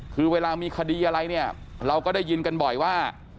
คือเวลามีคดีอะไรเนี่ยเราก็ได้ยินกันบ่อยว่า